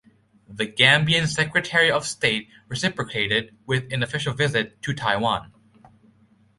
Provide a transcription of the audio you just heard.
The Gambian Secretary of State reciprocated with an official visit to Taiwan.